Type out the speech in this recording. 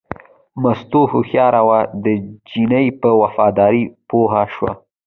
مستو هوښیاره وه، د چیني په وفادارۍ پوه شوه.